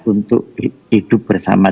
untuk hidup bersama